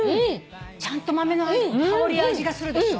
ちゃんと豆の香りや味がするでしょ？